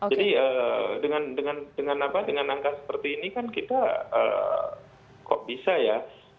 jadi dengan angka seperti ini kan kita kok bisa ya